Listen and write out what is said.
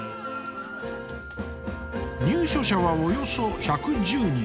入所者はおよそ１１０人。